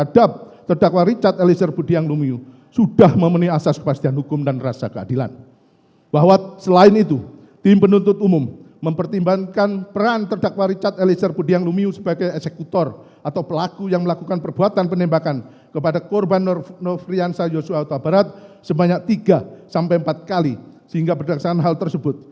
dan kami berpendapat tinggi rendahnya tuntutan yang kami ajukan kepada majelis